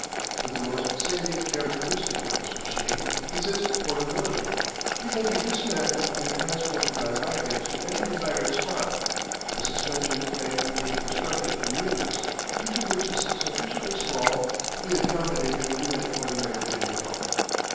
But the most salient characteristic of this machine is its portability. It can be dismantled and transported by wagons to any desired spot, the suspension frame being constructed in units, each of which is sufficiently small to be accommodated in an ordinary vehicle.